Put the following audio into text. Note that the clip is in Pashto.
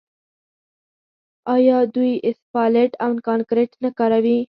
آیا دوی اسفالټ او کانکریټ نه کاروي؟